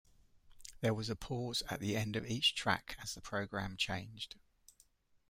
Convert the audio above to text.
There was a pause at the end of each track as the program changed.